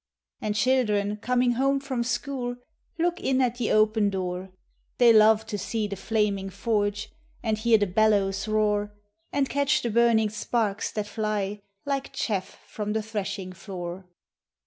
And children coming home from school, Look in at the open door; They love to see the flaming forge, And hear the bellows roar. And catch the burning sparks that fly Like chaff from the threshing floor.